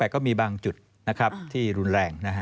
ภาค๘ก็มีบางจุดที่รุนแรง